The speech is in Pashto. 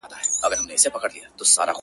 معاش مو یو برابره مو حِصه ده،